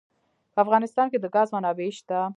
په افغانستان کې د ګاز منابع شته.